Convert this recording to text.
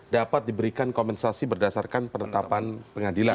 dapat diberikan kompensasi berdasarkan penetapan pengadilan